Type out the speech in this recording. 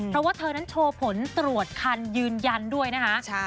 เพราะว่าเธอนั้นโชว์ผลตรวจคันยืนยันด้วยนะคะ